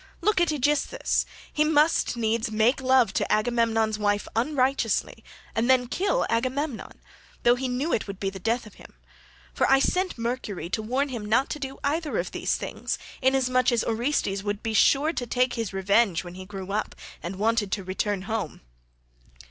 Look at Aegisthus; he must needs make love to Agamemnon's wife unrighteously and then kill Agamemnon, though he knew it would be the death of him; for I sent Mercury to warn him not to do either of these things, inasmuch as Orestes would be sure to take his revenge when he grew up and wanted to return home.